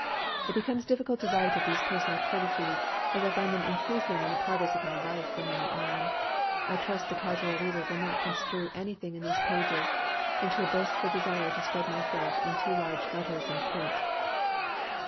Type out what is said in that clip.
It becomes difficult to write of these personal courtesies, as I find them increasing in the progress of my life from now on. I trust the casual reader will not construe anything in these pages into a boastful desire to spread myself in too large letters in print.